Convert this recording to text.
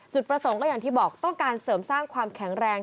จุดประสงค์ก็อย่างที่บอกต้องการเสริมสร้างความแข็งแรง